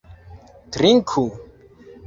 Trinku!